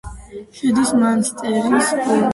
შედის მანსტერის პროვინციაში.